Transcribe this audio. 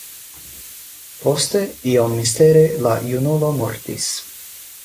Poste, iom mistere, la junulo mortis.